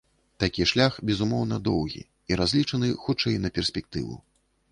Такі шлях, безумоўна, доўгі, і разлічаны, хутчэй, на перспектыву.